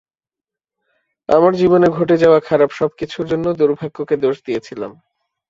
আমার জীবনে ঘটে যাওয়া খারাপ সবকিছুর জন্য দুর্ভাগ্যকে দোষ দিয়েছিলাম।